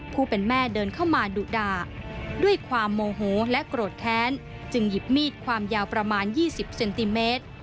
ผู้เป็นแม่เดินเข้ามาดุด่าด้วยความโมโหและโกรธแค้นจึงหยิบมีดความยาวประมาณ๒๐เซนติเมตร